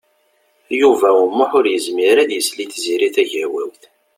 Yuba U Muḥ ur yezmir ara ad isell i Tiziri Tagawawt.